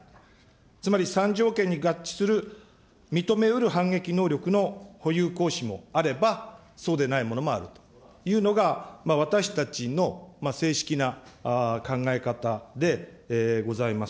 つまり３条件に合致する認めうる反撃能力の保有・行使もあれば、そうでないものもあるというのが私たちの正式な考え方でございます。